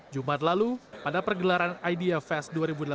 jumat lalu pada pergelaran idea fest dua ribu delapan belas